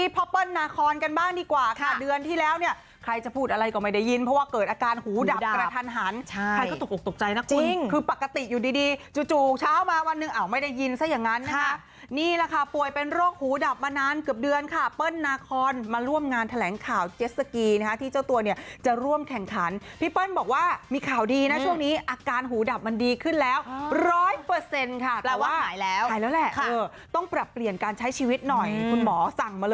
พอเปิ้ลนาคอนกันบ้างดีกว่าค่ะเดือนที่แล้วเนี่ยใครจะพูดอะไรก็ไม่ได้ยินเพราะว่าเกิดอาการหูดับกระทันหันใช่ก็ตกตกใจนะคุณคือปกติอยู่ดีจู่เช้ามาวันหนึ่งอ่าวไม่ได้ยินซะอย่างนั้นค่ะนี่ล่ะค่ะป่วยเป็นโรคหูดับมานานเกือบเดือนค่ะเปิ้ลนาคอนมาร่วมงานแถลงข่าวเจสสกีนะคะที่เจ้าตัวเนี่ยจะ